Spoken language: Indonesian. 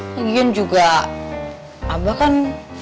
lagian juga abah kan